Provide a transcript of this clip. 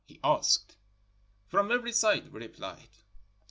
' he asked. "'From every side,' we replied.